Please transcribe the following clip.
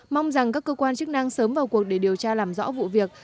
mong rằng các cơ quan chức năng sớm vào cuộc để điều tra làm rõ vụ việc